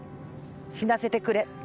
死なせてくれ」